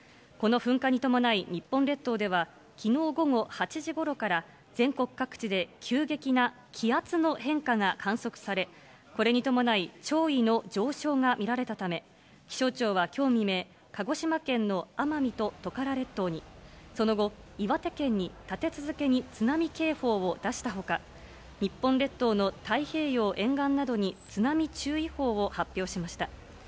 この噴火に伴い、日本列島ではきのう午後８時ごろから、全国各地で急激な気圧の変化が観測され、これに伴い、潮位の上昇が見られたため、気象庁はきょう未明、鹿児島県の奄美とトカラ列島に、その後、岩手県に立て続けに津波警報を出したほか、日本列島の太平洋沿岸などに、津波注意報を発表しました。